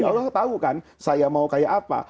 allah tahu kan saya mau kayak apa